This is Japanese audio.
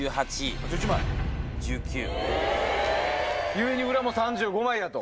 故に裏も３５枚やと。